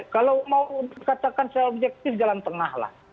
kalau mau katakan secara objektif jalan tengah lah